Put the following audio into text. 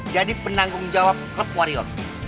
jadi penanggung jawab klub wario